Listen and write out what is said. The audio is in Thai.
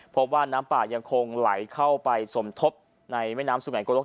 พบว่าน้ำป่ายังคงไหลเข้าไปสมทบในแม่น้ำสุไงโกลก